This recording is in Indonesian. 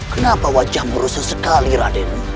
kenapa wajah merusak sekali raden